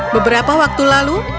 beberapa waktu lalu